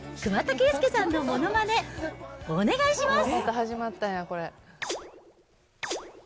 では、桑田佳祐さんのものまね、お願いします！